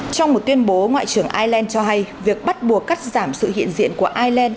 trong một tuyên bố ngoại trưởng ireland cho hay việc bắt buộc cắt giảm sự hiện diện của ireland